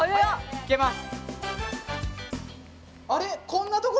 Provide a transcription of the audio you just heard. いけます。